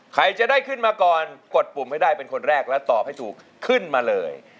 ใครจะได้ขึ้นมาก่อนกดปุ่มให้ได้เป็นคนแรกและตอบให้ถูกขึ้นมาเลย